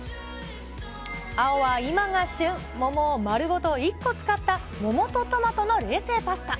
青は今が旬、桃をまるごと１個使った桃とトマトの冷製パスタ。